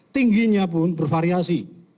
tingginya pun bervariasi